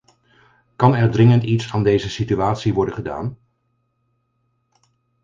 Kan er dringend iets aan deze situatie worden gedaan?